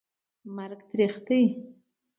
مرګ تریخ دي